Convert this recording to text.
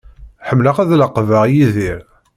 Ḥemmleɣ ad laqbeɣ Yidir.